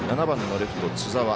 ７番のレフト、津澤。